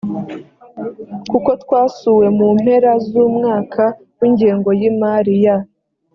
kuko twasuwe mu mpera z umwaka w ingengo y imari ya